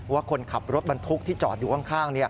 ว่าคนขับรถบรรทุกที่จอดอยู่ข้าง